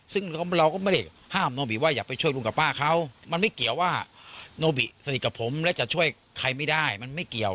ซึ่งเราก็ไม่ได้ห้ามโนบิว่าอย่าไปช่วยลุงกับป้าเขามันไม่เกี่ยวว่าโนบิสนิทกับผมและจะช่วยใครไม่ได้มันไม่เกี่ยว